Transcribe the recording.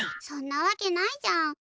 そんなわけないじゃん。